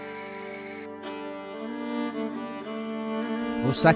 usaknya habitat tarsius karena alih fungsi hutan menjadi daerah tambang dan perkebunan sawit